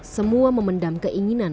semua memendam keinginan